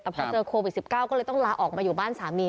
แต่พอเจอโควิด๑๙ก็เลยต้องลาออกมาอยู่บ้านสามี